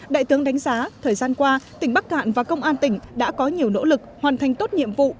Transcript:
đại tướng đánh giá thời gian qua tỉnh bắc cạn và công an tỉnh đã có nhiều nỗ lực hoàn thành tốt nhiệm vụ